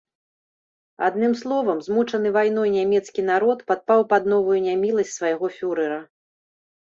Адным словам, змучаны вайной нямецкі народ падпаў пад новую няміласць свайго фюрэра.